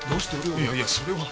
いやいやそれは。